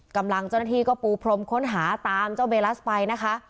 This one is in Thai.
กำลังเจ้าหน้าที่ก็ปูพรมค้นหาตามเจ้าเบลัสไปนะคะ